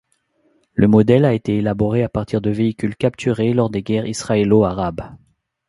Le modèle a été élaboré à partir de véhicules capturés lors des guerres israélo-arabes.